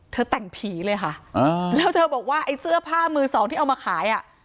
แต่งผีเลยค่ะอ่าแล้วเธอบอกว่าไอ้เสื้อผ้ามือสองที่เอามาขายอ่ะ